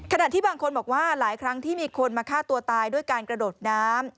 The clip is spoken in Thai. ที่บางคนบอกว่าหลายครั้งที่มีคนมาฆ่าตัวตายด้วยการกระโดดน้ำ